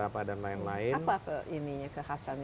apa dan lain lain apa kekhasan